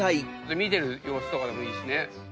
見てる様子とかでもいいしね。